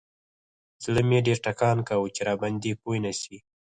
زړه مې ډېر ټکان کاوه چې راباندې پوه نسي.